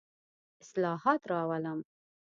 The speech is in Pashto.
اصلاحات راولم.